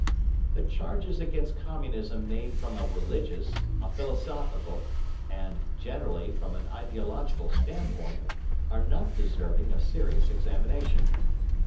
The charges against Communism made from a religious, a philosophical, and, generally, from an ideological standpoint, are not deserving of serious examination.